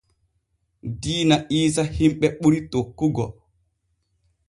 Diina iisa himɓe ɓuri tokkugo.